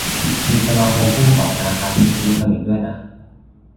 มี สมาคมผู้ประกอบการพาณิชย์อิเล็กทรอนิกส์ ด้วยนะ